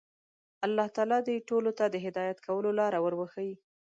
الله تعالی دې ټولو ته د هدایت کولو لاره ور وښيي.